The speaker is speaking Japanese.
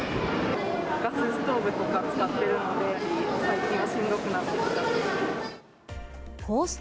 ガスストーブとか使ってるので、最近はしんどくなってきました。